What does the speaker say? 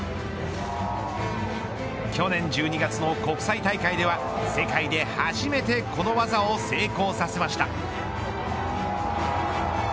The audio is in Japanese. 去年１２月の国際大会では世界で初めて、この技を成功させました。